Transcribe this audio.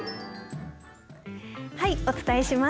お伝えします。